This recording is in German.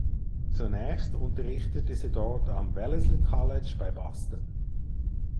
Zunächst unterrichtete sie dort am Wellesley College bei Boston.